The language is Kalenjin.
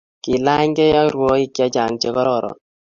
kiilanykei ak rwoik chechang chekororon